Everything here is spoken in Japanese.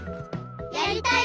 やりたい！